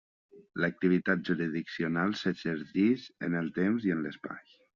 L'activitat jurisdiccional s'exerceix en el temps i en l'espai.